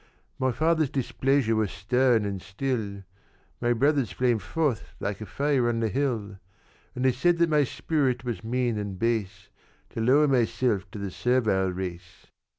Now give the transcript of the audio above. "My father's displeasure was stern and still; My brothers' flamed forth like a fire on the hill; And they said that my spirit was mean and base, To lower myself to the servile race.